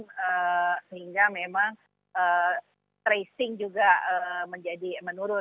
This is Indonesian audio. sehingga memang tracing juga menjadi menurun